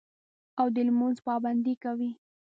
او د لمونځ پابندي کوي